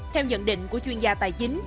theo nhận định của chuyên gia tài chính